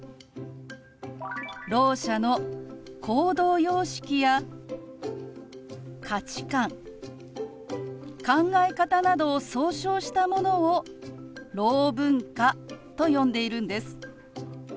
ろう者の行動様式や価値観考え方などを総称したものをろう文化と呼んでいるんです。